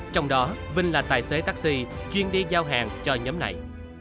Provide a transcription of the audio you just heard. trong đó vinh là tài xế taxi chuyên đi giao hàng cho nhóm này